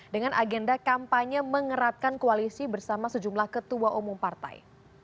dengan agenda kampanye mengeratkan koalisi bersama sejumlah ketua umum partai